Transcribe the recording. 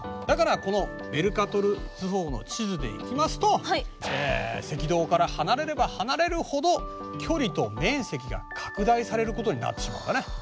だからこのメルカトル図法の地図でいきますと赤道から離れれば離れるほど距離と面積が拡大されることになってしまうんだね。